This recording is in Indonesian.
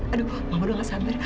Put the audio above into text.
aduh bapak udah gak sabar